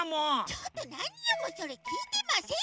ちょっとなによもうそれきいてませんよ！